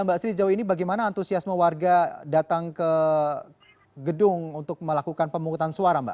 mbak sri sejauh ini bagaimana antusiasme warga datang ke gedung untuk melakukan pemungutan suara mbak